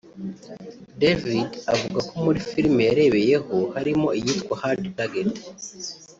David avuga ko muri filime yarebeyeho harimo iyitwa ’Hard target ‘